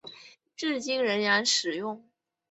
至今仍然使用。